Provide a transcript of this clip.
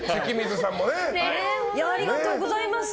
ありがとうございます。